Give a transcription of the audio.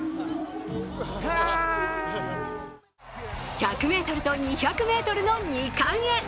１００ｍと２００ｍのニ冠へ。